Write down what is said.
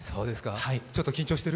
ちょっと緊張してる？